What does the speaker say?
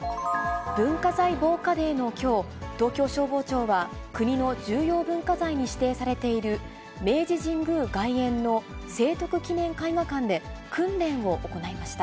文化財防火デーのきょう、東京消防庁は、国の重要文化財に指定されている明治神宮外苑の聖徳記念絵画館で訓練を行いました。